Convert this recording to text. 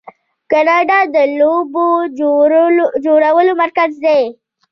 کاناډا د لوبو جوړولو مرکز دی.